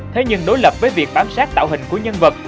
thế nhưng đối lập với việc bám sát tạo hình của nhân vật